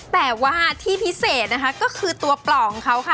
แต่ว่าที่พิเศษก็คือตัวปลอกของเขา